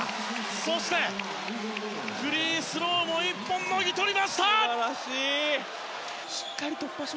そして、フリースローも１本もぎ取りました！